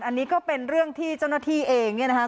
อันนี้ก็เป็นเรื่องที่เจ้าหน้าที่เองเนี่ยนะคะ